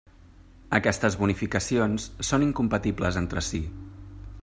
Aquestes bonificacions són incompatibles entre si.